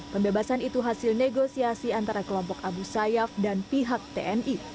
pembebasan itu hasil negosiasi antara kelompok abu sayyaf dan pihak tni